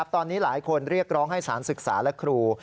ตอนนี้หลายคนเรียกร้องให้สารศึกษาและครู